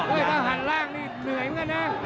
เผ่าฝั่งโขงหมดยก๒